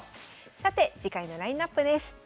さて次回のラインナップです。